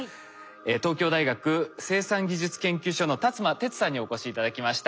東京大学生産技術研究所の立間徹さんにお越し頂きました。